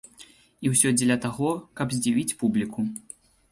І ўсё дзеля таго, каб здзівіць публіку.